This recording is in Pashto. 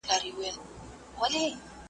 چي ملخ ته یې نیژدې کړله مشوکه .